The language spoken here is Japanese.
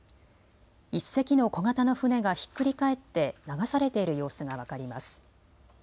１隻の小型の船がひっくり返って流されている様子が分かります。